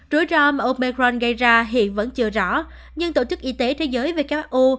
rủi ro mà opecron gây ra hiện vẫn chưa rõ nhưng tổ chức y tế thế giới who